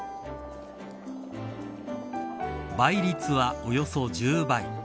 倍率は、およそ１０倍。